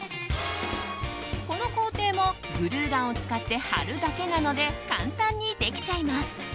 この工程もグルーガンを使って貼るだけなので簡単にできちゃいます。